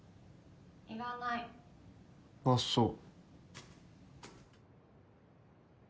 ・いらない・あっそう。